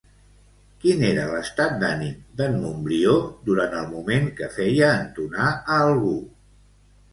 Quin era l'estat d'ànim d'en Montbrió durant el moment que feia entonar a algú?